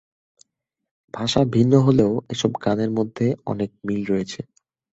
ভাষা ভিন্ন হলেও এসব গানের মধ্যে অনেক মিল রয়েছে।